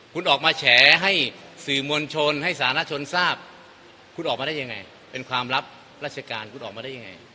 คุณออกมาแฉให้สื่อมวลชนให้สาธารณชนทราบคุณออกมาได้ยังไงเป็นความลับราชการคุณออกมาได้ยังไง